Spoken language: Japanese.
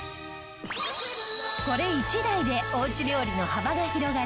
これ一台でおうち料理の幅が広がる